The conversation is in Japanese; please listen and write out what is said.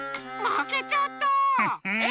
まけちゃった！